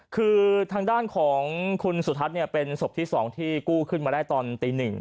คือทางด้านของคุณสุทัศน์เป็นศพที่๒ที่กู้ขึ้นมาได้ตอนตี๑